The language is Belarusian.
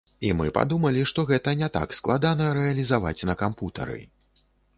І мы падумалі, што гэта не так складана рэалізаваць на кампутары!